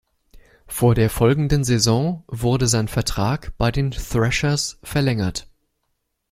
Vor der folgenden Saison wurde sein Vertrag bei den Thrashers verlängert.